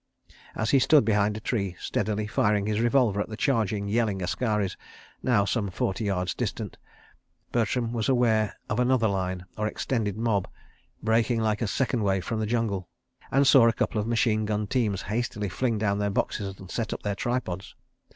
... As he stood behind a tree, steadily firing his revolver at the charging, yelling askaris now some forty yards distant, Bertram was aware of another line, or extended mob, breaking like a second wave from the jungle, and saw a couple of machine gun teams hastily fling down their boxes and set up their tripods.